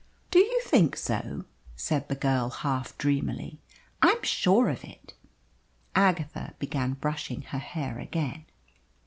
"Do you think so?" said the girl, half dreamily. "I am sure of it." Agatha began brushing her hair again.